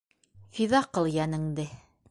Фиҙа ҡыл йәнеңде!